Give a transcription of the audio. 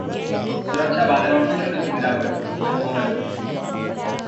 सुरक्षा वातावरण में शुद्ध गिरावट: मनमोहन